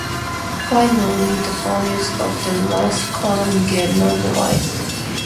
Finally, the values of the last column get normalized.